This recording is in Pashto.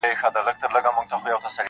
یا د شپې یا به سبا بیرته پیدا سو -